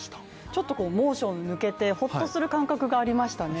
ちょっと猛暑抜けてほっとする感覚がありましたね。